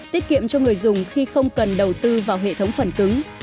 tiết kiệm cho người dùng khi không cần đầu tư vào hệ thống phần cứng